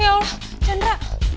ya allah chandra